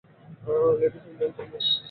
Ladies and gentlemen!